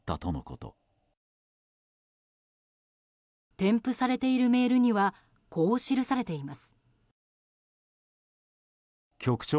添付されているメールにはこう記されています。